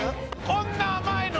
こんな甘いの。